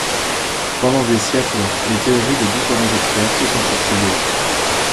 Pendant des siècles, les théories de différents experts se sont succédé.